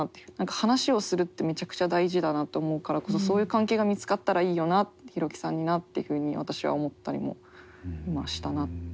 話をするってめちゃくちゃ大事だなと思うからこそそういう関係が見つかったらいいよなってヒロキさんになっていうふうに私は思ったりも今したな。